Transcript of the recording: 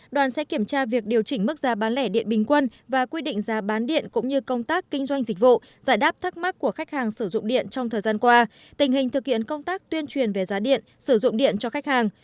đoàn sẽ kiểm tra việc điều chỉnh mức giá bán lẻ điện bình quân và quy định giá bán điện cũng như công tác kinh doanh dịch vụ giải đáp thắc mắc của khách hàng sử dụng điện trong thời gian qua tình hình thực hiện công tác tuyên truyền về giá điện sử dụng điện cho khách hàng